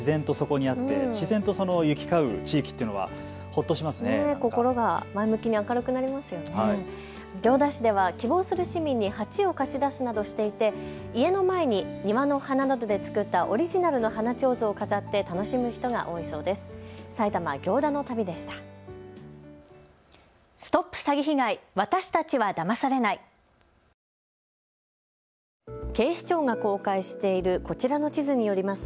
行田市では希望する市民に鉢を貸し出すなどしていて家の前に庭の花などで作ったオリジナルの花ちょうずを飾って楽しむ人が多いそうです。